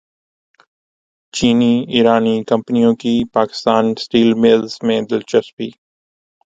چینی ایرانی کمپنیوں کی پاکستان اسٹیل ملز میں دلچسپی